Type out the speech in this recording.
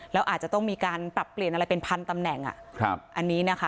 แล้วอาจจะต้องมีการปรับเปลี่ยนอะไรเป็นพันตำแหน่งอันนี้นะคะ